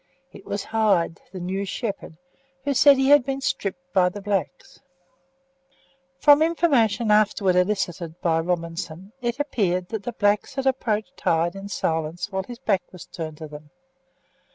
It was Hyde, the new shepherd, who said he had been stripped by the blacks. From information afterwards elicited by Robinson it appeared that the blacks had approached Hyde in silence while his back was turned to them.